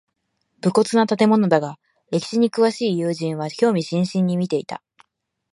無骨な建物だが歴史に詳しい友人は興味津々に見ていた